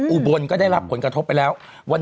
อุบลก็ได้รับผลกระทบไปแล้ว